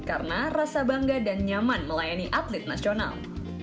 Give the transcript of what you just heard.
karena rasa bangga dan nyaman melayani atlet nasional